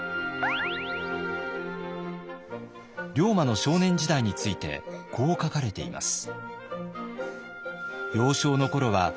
龍馬の少年時代についてこう書かれています。